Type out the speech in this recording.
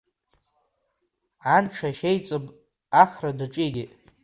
Анша иашьеиҵыб ахра даҿигеит.